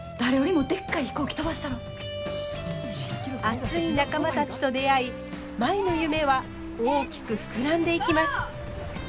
熱い仲間たちと出会い舞の夢は大きく膨らんでいきます。